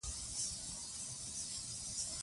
ازادي راډیو د روغتیا په اړه د کارپوهانو خبرې خپرې کړي.